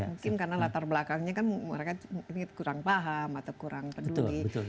mungkin karena latar belakangnya kan mereka mungkin kurang paham atau kurang peduli